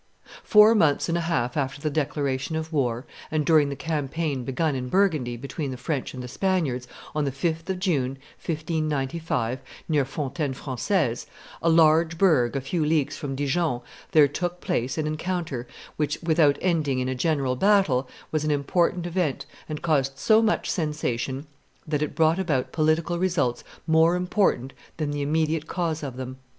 Four months and a half after the declaration of war, and during the campaign begun in Burgundy between the French and the Spaniards, on the 5th of June, 1595, near Fontaine Francaise, a large burgh a few leagues from Dijon, there took place an encounter which, without ending in a general battle, was an important event, and caused so much sensation that it brought about political results more important than the immediate cause of them.